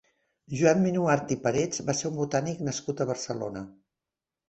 Joan Minuart i Parets va ser un botànic nascut a Barcelona.